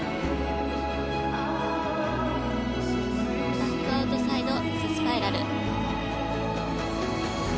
バックアウトサイドデススパイラル。